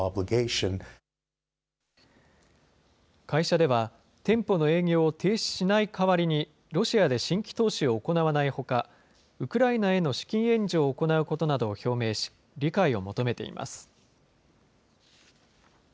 会社では、店舗の営業を停止しない代わりに、ロシアで新規投資を行わないほか、ウクライナへの資金援助を行うことなどを表明し、理解を求めています。